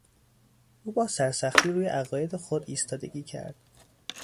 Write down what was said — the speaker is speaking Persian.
او با سرسختی روی عقاید خود ایستادگی کرد.